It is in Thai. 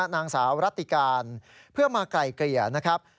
นางสาวรัติการเพื่อมาไกลเกลี่ยนะครับ